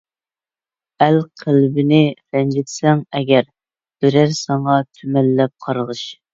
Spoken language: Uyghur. ئەل قەلبىنى رەنجىتسەڭ ئەگەر، بىرەر ساڭا تۈمەنلەپ قارغىش.